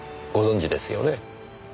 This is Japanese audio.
ご存じですよね？